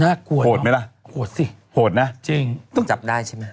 น่ากวดโหดไหมล่ะโหดสิโหดนะจริงจับได้ใช่ไหม